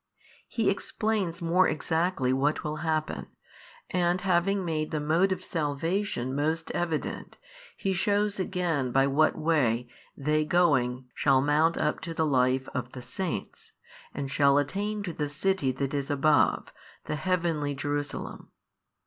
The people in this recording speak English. He explains more exactly what will happen, and having made the mode of salvation most evident, He shews again by what way they going shall mount up to the life of the saints, and shall attain to the city that is above, the heavenly Jerusalem.